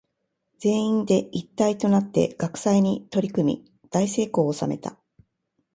全員で一体となって学祭に取り組み大成功を収めた。